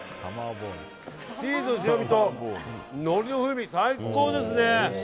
チーズの塩みとのりの風味が最高ですね。